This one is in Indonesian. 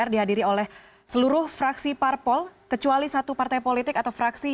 dan negara kesatuan republik indonesia